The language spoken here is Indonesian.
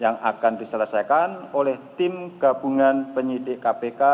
yang akan diselesaikan oleh tim gabungan penyidik kpk